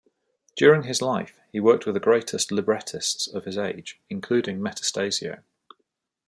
During his life, he worked with the greatest librettists of his age, including Metastasio.